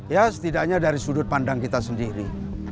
ya setidaknya dari sudut pandang kita sendiri